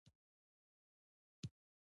اوبه باید مهار شي